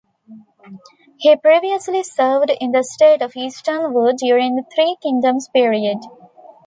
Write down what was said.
He previously served in the state of Eastern Wu during the Three Kingdoms period.